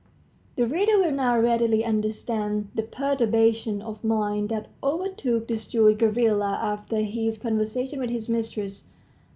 The reader will now readily understand the perturbation of mind that overtook the steward Gavrila after his conversation with his mistress.